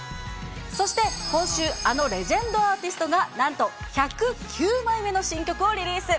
そして今週、あのレジェンドアーティストが、なんと１０９枚目の新曲をリリース。